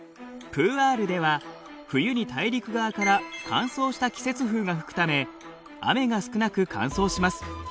プーアールでは冬に大陸側から乾燥した季節風が吹くため雨が少なく乾燥します。